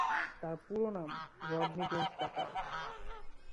তার পুরো নাম "রডনি জেমস টাকার"।